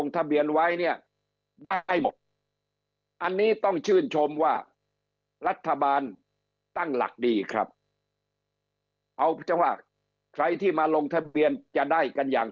ตั้งหลักดีครับเอาจะว่าใครที่มาลงทะเบียนจะได้กันอย่าง